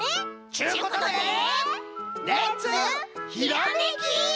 ちゅうことでレッツひらめき！